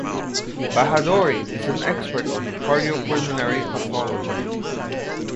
Bahadori is an expert on Cardiopulmonary pathology.